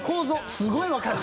すごい分かる。